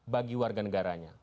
bagi warga negaranya